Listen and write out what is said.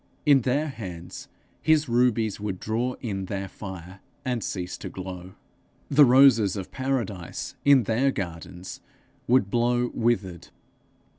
In their hands his rubies would draw in their fire, and cease to glow. The roses of paradise in their gardens would blow withered.